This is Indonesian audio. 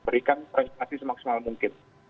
berikan presentasi semaksimal mungkin